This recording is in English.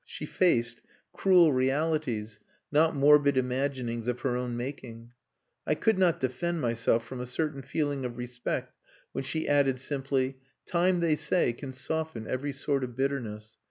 She faced cruel realities, not morbid imaginings of her own making. I could not defend myself from a certain feeling of respect when she added simply "Time they say can soften every sort of bitterness.